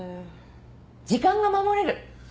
時間が守れる。